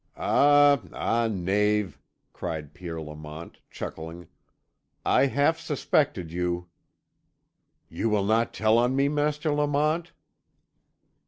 "Ah, ah, knave!" cried Pierre Lamont, chuckling. "I half suspected you." "You will not tell on me, Master Lamont?"